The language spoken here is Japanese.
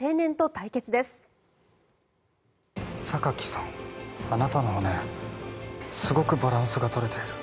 榊さん、あなたの骨すごくバランスが取れてる。